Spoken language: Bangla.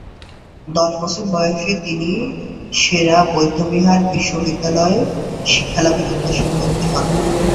দশ বছর বয়সে তিনি সে-রা বৌদ্ধবিহার বিশ্ববিদ্যালয়ে শিক্ষালাভের উদ্দেশ্যে ভর্তি হন।